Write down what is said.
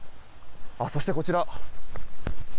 そして、こちら。